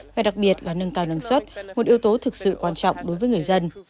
và đặc biệt là nâng cao năng suất một yếu tố thực sự quan trọng đối với người dân